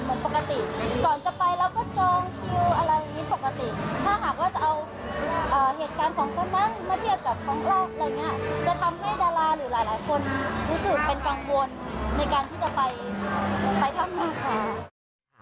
รู้สึกเป็นกังวลในการที่จะไปทำบุญค่ะ